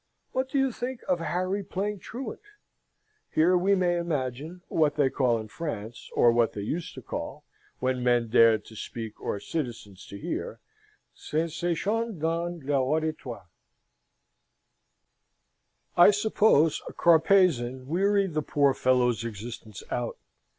What do you think of Harry playing truant?'" (Here we may imagine, what they call in France, or what they used to call, when men dared to speak or citizens to hear, sensation dans l'auditoire.) "'I suppose Carpezan wearied the poor fellow's existence out.